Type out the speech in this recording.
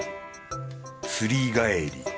釣り帰り。